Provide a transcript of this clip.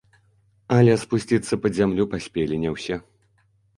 Але спусціцца пад зямлю паспелі не ўсе.